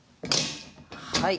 はい。